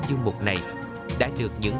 từ ngày bắt đầu dải chung